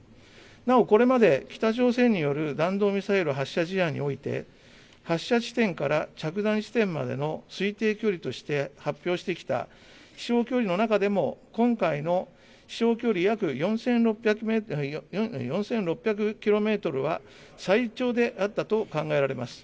なおこれまで北朝鮮による弾道ミサイル発射事案において、発射地点から着弾地点までの推定距離として発表してきた、飛しょう距離の中でも、今回の飛しょう距離約４６００キロメートルは、最長であったと考えられます。